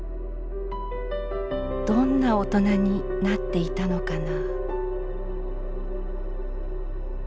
「どんな大人になっていたのかな」。